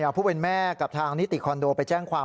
ผู้เป็นแม่กับทางนิติคอนโดไปแจ้งความ